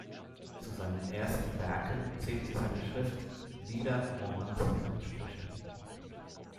Zu seinen ersten Werken zählte seine Schrift „Lieder, Romanzen und Sprüche“.